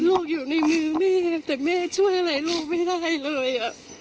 ลูกอยู่ในมือแม่แต่แม่ช่วยอะไรลูกไม่ได้เลย